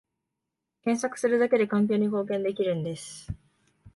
検索するだけで環境に貢献できるんです